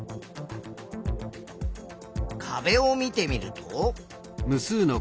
壁を見てみると。